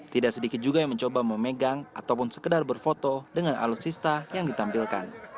tidak sedikit juga yang mencoba memegang ataupun sekedar berfoto dengan alutsista yang ditampilkan